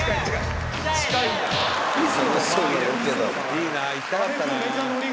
いいな行きたかったな。